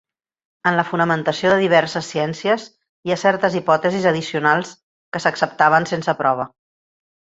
En la fonamentació de diverses ciències hi ha certes hipòtesis addicionals que s'acceptaven sense prova.